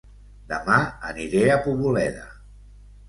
Dema aniré a Poboleda